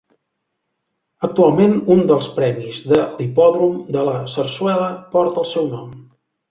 Actualment un dels premis de l'Hipòdrom de La Zarzuela porta el seu nom.